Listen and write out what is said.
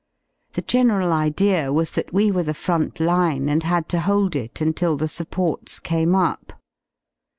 The general idea was that we were the front line and had to hold it until the supports came up.